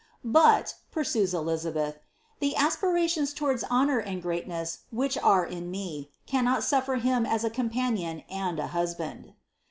^ But," pursues Eli zabeth, die aspirations towards honour and greatness which are in me, cannot sufler him as a companion and a husband."